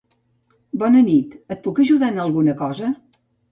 Bona nit, et puc ajudar en alguna cosa?